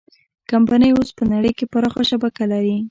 کمپنۍ اوس په نړۍ کې پراخه شبکه لري.